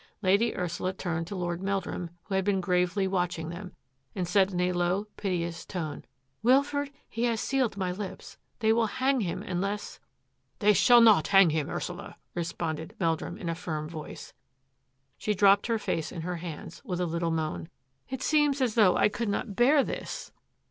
Lady Ursula turned to Lord Meldrum, who had been gravely watching them, and said in a low, piteous tone, " Wilfred, he has sealed my lips. They will hang him unless —^"" They shall not hang him, Ursula," responded Meldrum in a firm voice. She dropped her face in her hands with a little moan. " It seems as though I could not bear this